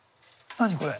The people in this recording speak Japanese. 何これ。